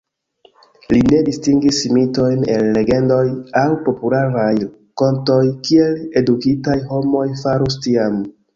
Li ne distingis mitojn el legendoj aŭ popularaj kontoj kiel edukitaj homoj farus tiam.